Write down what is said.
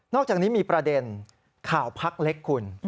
อกจากนี้มีประเด็นข่าวพักเล็กคุณ